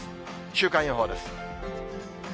週間予報です。